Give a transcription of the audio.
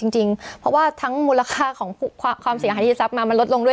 จริงเพราะว่าทั้งมูลค่าของความเสียหายที่จะทรัพย์มามันลดลงด้วย